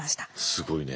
すごいね。